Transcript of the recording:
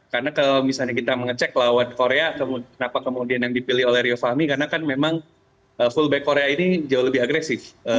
karena kalau misalnya kita mengecek lawan korea kenapa kemudian yang dipilih oleh ryo fahmi karena kan memang fullback korea ini jauh lebih agresif